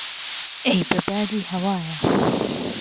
ئهی به بادی ههوایه